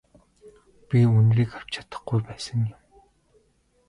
Би үнэрийг авч чадахгүй байсан юм.